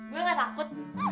gue gak takut